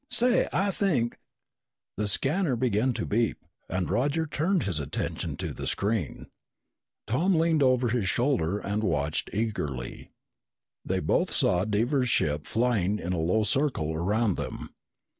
"Say, I think " The scanner began to beep and Roger turned his attention to the screen. Tom leaned over his shoulder and watched eagerly. They both saw Devers' ship flying in a slow circle around them.